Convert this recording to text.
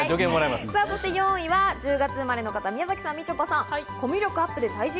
そして４位は１０月生まれの方、宮崎さん、みちょぱさん。